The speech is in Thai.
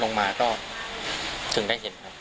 ช่างเถอะ